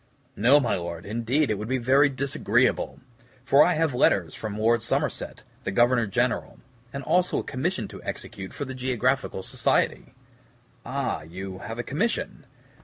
"No, my Lord; indeed it would be very disagreeable, for I have letters from Lord Somerset, the Governor General, and also a commission to execute for the Geographical Society." "Ah, you have a commission."